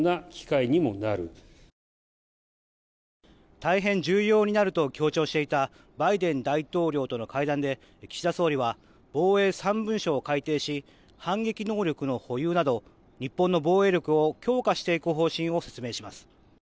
大変重要になると強調していたバイデン大統領との会談で岸田総理は防衛３文書を改定し反撃能力の保有など日本の防衛力を強化していく方針を説明します。